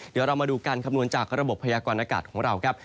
เดี๋ยวเรามาดูการคำนวณจากระบบพยากรณากาศของเราครับ